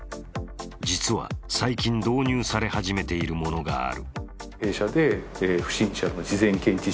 実は、最近導入され始めているものがある。